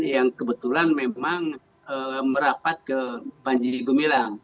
yang kebetulan memang merapat ke panji gumilang